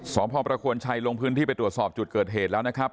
สพประโคนชัยลงพื้นที่ไปตรวจสอบจุดเกิดเหตุแล้วนะครับ